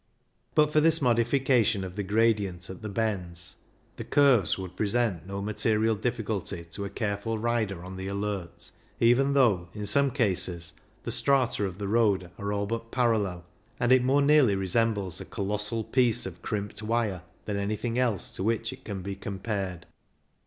But for this modification of the gradient at the bends the curves would present no material difficulty to a careful rider on the alert, even though, in some cases, the strata of the road are all but parallel, and it more nearly resembles a colossal piece of crimped wire than anything else to which it can be compared.